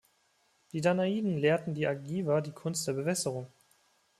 Die Danaiden lehrten die Argiver die Kunst der Bewässerung.